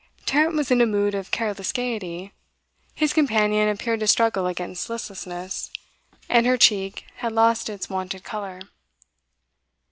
Tarrant was in a mood of careless gaiety; his companion appeared to struggle against listlessness, and her cheek had lost its wonted colour.